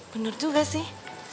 bener juga sih